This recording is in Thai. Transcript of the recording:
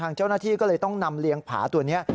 ทางเจ้านาธิก็เลยต้องนำเรียงผาตัวนี้